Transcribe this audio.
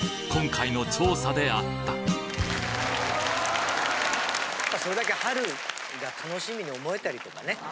今回の調査であったそれだけ春が楽しみに思えたりとかね。